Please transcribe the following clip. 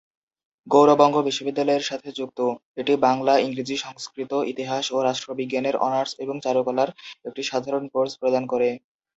গৌড় বঙ্গ বিশ্ববিদ্যালয়ের সাথে যুক্ত, এটি বাংলা, ইংরেজি, সংস্কৃত, ইতিহাস ও রাষ্ট্রবিজ্ঞানের অনার্স এবং চারুকলার একটি সাধারণ কোর্স প্রদান করে।